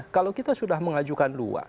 kalau kita sudah mengajukan dua